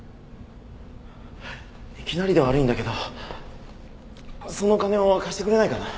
いきなりで悪いんだけどその金を貸してくれないかな？